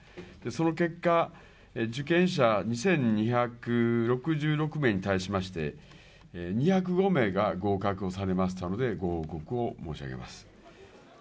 その結果、受験者２２６６名に対しまして、２０５名が合格されましたのでご報告を申し上げます。